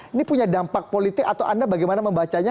ini punya dampak politik atau anda bagaimana membacanya